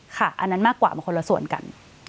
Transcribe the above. อันนั้นมากกว่ามันคนละส่วนกัน